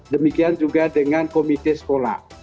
demikian juga dengan komite sekolah